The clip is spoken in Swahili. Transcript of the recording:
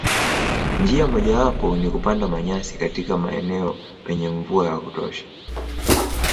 Njia mojawapo ni kupanda manyasi katika maeneo penye mvua wa kutosha.